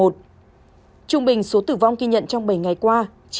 trung bình số tử vong ghi nhận trong bảy ngày qua